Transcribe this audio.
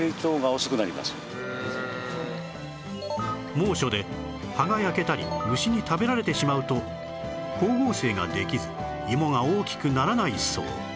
猛暑で葉が焼けたり虫に食べられてしまうと光合成ができずいもが大きくならないそう